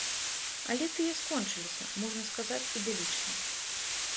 Але тыя скончыліся, можна сказаць, ідылічна.